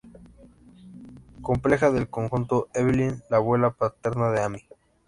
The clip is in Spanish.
Completa el conjunto Evelyn la abuela paterna de Amy.